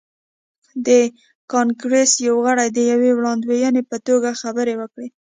د کانګریس یو غړي د یوې وړاندوینې په توګه خبرې وکړې.